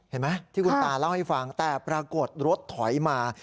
เห็นไหมที่คุณตาเล่าให้ฟังแต่ปรากฏรถถอยมา